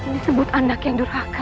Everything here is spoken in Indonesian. disebut anak yang durhaka